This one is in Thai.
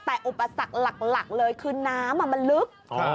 แต่อุปสรรคหลักเลยคือน้ำมันลึก